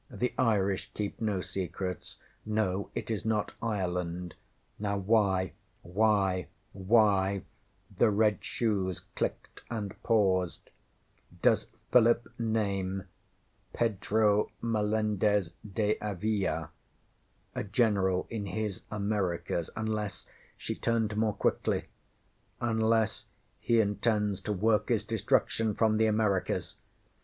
The Irish keep no secrets. No it is not Ireland. Now why why whyŌĆÖ the red shoes clicked and paused ŌĆśdoes Philip name Pedro Melendez de Avila, a general in his Americas, unlessŌĆÖ she turned more quickly unless he intends to work his destruction from the Americas?